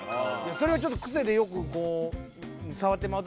それはちょっと癖でよくこう触ってまう時。